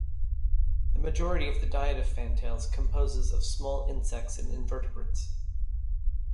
The majority of the diet of fantails composes of small insects and invertebrates.